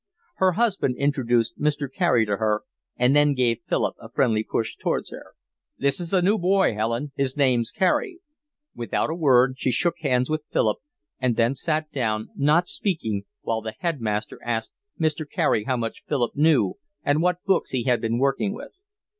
Her husband introduced Mr. Carey to her, and then gave Philip a friendly push towards her. "This is a new boy, Helen, His name's Carey." Without a word she shook hands with Philip and then sat down, not speaking, while the headmaster asked Mr. Carey how much Philip knew and what books he had been working with.